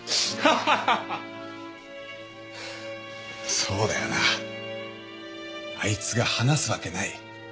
そうだよなあいつが話すわけない。